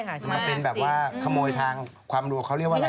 จะมาเป็นแบบว่าขโมยทางความรัวเขาเรียกว่าอะไร